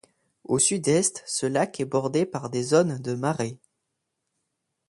Au Sud-Est, ce lac est bordé par des zones de marais.